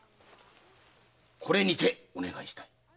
これにてお願いしたい。